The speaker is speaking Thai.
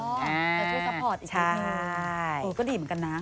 ช่วยซัพพอร์ตอีกนิดนึงก็ดีเหมือนกันนะ